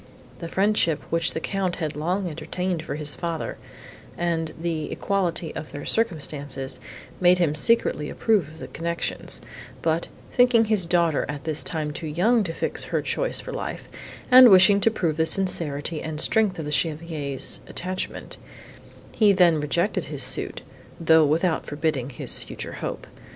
The friendship, which the Count had long entertained for his father, and the equality of their circumstances made him secretly approve of the connection; but, thinking his daughter at this time too young to fix her choice for life, and wishing to prove the sincerity and strength of the Chevalier's attachment, he then rejected his suit, though without forbidding his future hope.